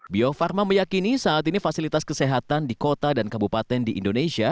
bio farma meyakini saat ini fasilitas kesehatan di kota dan kabupaten di indonesia